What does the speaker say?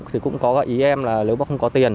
thì cũng có gợi ý em là nếu mà không có tiền